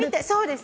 そうです。